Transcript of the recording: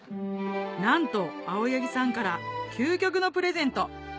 なんと青柳さんから究極のプレゼント